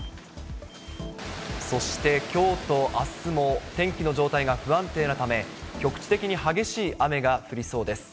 そして、きょうとあすも天気の状態が不安定なため、局地的に激しい雨が降りそうです。